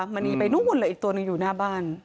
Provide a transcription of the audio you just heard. มณีไปนู่นเลยอีกตัวหนึ่งอยู่หน้าบ้าน